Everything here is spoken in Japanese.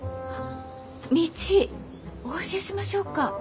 道お教えしましょうか？